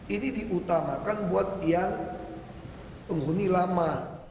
ini diutamakan buat yang penghuni lama